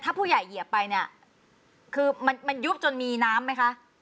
ถ้าผู้ใหญ่เหยียบไปเนี่ยคือมันยุบจนมีน้ำไหมคะ